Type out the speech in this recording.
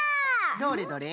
どれどれ？